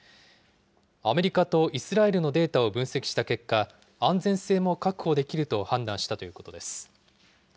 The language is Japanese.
アメリカとイスラエルのデータを分析した結果、安全性も確保できると判断したということです。